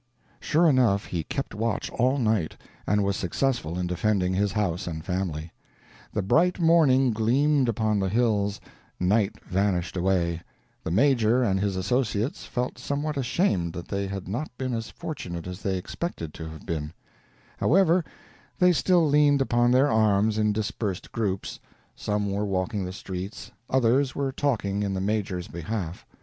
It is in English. Sure enough, he kept watch all night, and was successful in defending his house and family. The bright morning gleamed upon the hills, night vanished away, the Major and his associates felt somewhat ashamed that they had not been as fortunate as they expected to have been; however, they still leaned upon their arms in dispersed groups; some were walking the streets, others were talking in the Major's behalf.